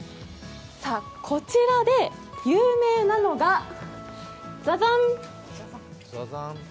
こちらで有名なのがザザン！